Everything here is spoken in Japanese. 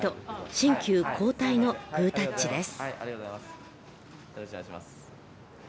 新旧交代のグータッチです。